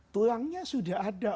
tulangnya sudah ada